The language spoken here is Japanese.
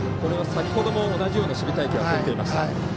先ほども同じような守備隊形はとっていました。